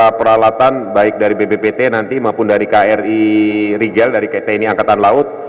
beberapa peralatan baik dari bbpt nanti maupun dari kri rigel dari tni angkatan laut